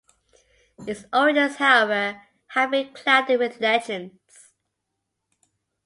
Its origins however have been clouded with legends.